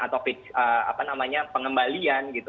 sopik apa namanya pengembalian gitu